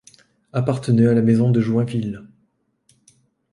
Appartenait à la maison de Joinville.